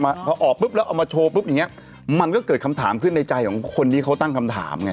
พอออกปุ๊บแล้วเอามาโชว์ปุ๊บอย่างเงี้ยมันก็เกิดคำถามขึ้นในใจของคนที่เขาตั้งคำถามไง